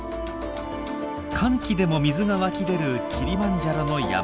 乾季でも水が湧き出るキリマンジャロの山の中。